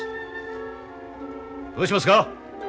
どうしますか？